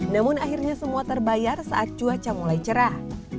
namun akhirnya semua terbayar saat cuaca mulai cerah